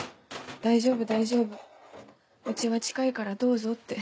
「大丈夫大丈夫家は近いからどうぞ」って。